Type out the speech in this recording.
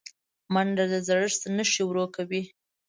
منډه د زړښت نښې ورو کوي